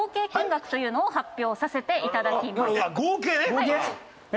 合計ね。